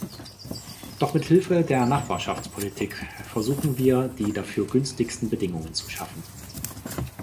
Doch mithilfe der Nachbarschaftspolitik versuchen wir, die dafür günstigsten Bedingungen zu schaffen.